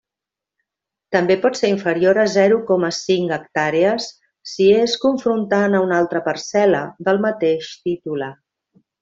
També pot ser inferior a zero coma cinc hectàrees si és confrontant a una altra parcel·la del mateix titular.